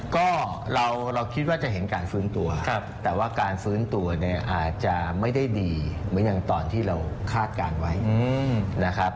ก็เราคิดว่าจะเห็นการฟื้นตัวแต่ว่าการฟื้นตัวเนี่ยอาจจะไม่ได้ดีเหมือนอย่างตอนที่เราคาดการณ์ไว้นะครับ